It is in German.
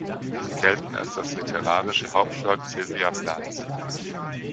Sie gelten als das literarische Hauptwerk Sylvia Plaths.